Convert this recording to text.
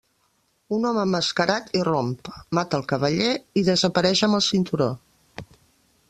Un home emmascarat irromp, mata el Cavaller i desapareix amb el cinturó.